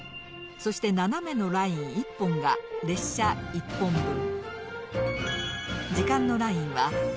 そして斜めのライン１本が列車１本分。